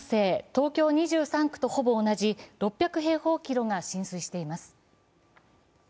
東京２３区とほぼ同じ６００平方キロが浸水しています。